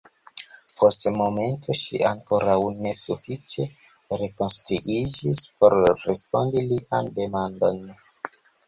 Post momento ŝi ankoraŭ ne sufiĉe rekonsciiĝis por respondi lian demandon.